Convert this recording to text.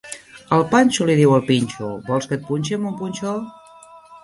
El Panxo li diu al Pinxo: vols que et punxe amb un punxó?